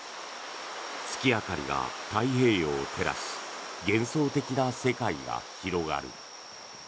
月明かりが太平洋を照らし幻想的な世界が広がる。